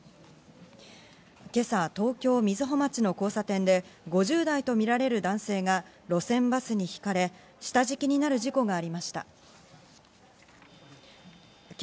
今朝、東京・瑞穂町の交差点で５０代とみられる男性が路線バスにひかれ、下敷きになる事故がありました。